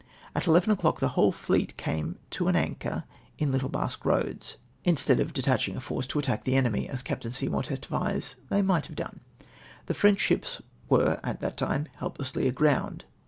At eleven o'clock the whole fleet came to an anchor in Little Basque Pioads, uistead of de taching a force to attack the enemy, as Captain Sejmiour testifies they mifilit have done. The French ships were at that time helplessly aground.